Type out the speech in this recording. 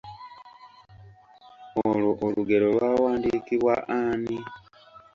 Olwo olugero lwawandiikibwa ani?